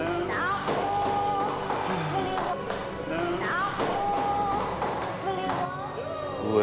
waduh itu itu itu itu itu